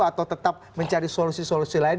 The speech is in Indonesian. atau tetap mencari solusi solusi lain